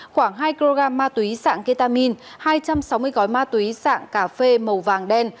khoảng hai kg ma túy dạng ketamin hai trăm sáu mươi gói ma túy sạng cà phê màu vàng đen